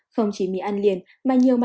không chỉ mì ăn liền mà nhiều mặt